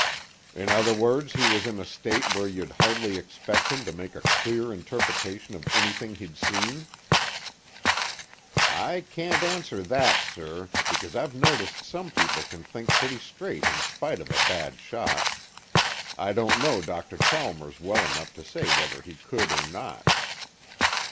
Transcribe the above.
"In other words he was in a state where you'd hardly expect him to make a clear interpretation of anything he'd seen?" "I can't answer that, sir, because I've noticed some people can think pretty straight in spite of a bad shock. I don't know Dr. Chalmers well enough to say whether he could or not."